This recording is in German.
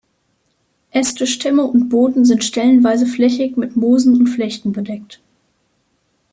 Äste, Stämme, und Boden sind stellenweise flächig mit Moosen und Flechten bedeckt.